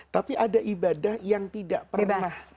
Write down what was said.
tapi ada ibadah yang tidak pernah